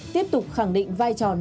tiếp tục khẳng định vai trò nguy hiểm